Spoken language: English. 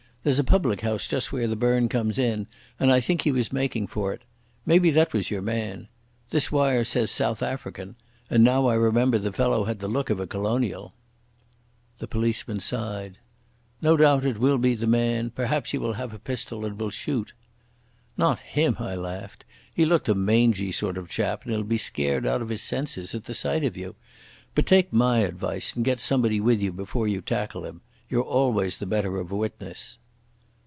There's a public house just where the burn comes in, and I think he was making for it. Maybe that was your man. This wire says 'South African'; and now I remember the fellow had the look of a colonial." The policeman sighed. "No doubt it will be the man. Perhaps he will haf a pistol and will shoot." "Not him," I laughed. "He looked a mangy sort of chap, and he'll be scared out of his senses at the sight of you. But take my advice and get somebody with you before you tackle him. You're always the better of a witness."